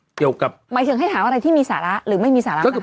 เกี่ยวกับหมายถึงให้ถามอะไรที่มีสาระหรือไม่มีสาระหรือเปล่า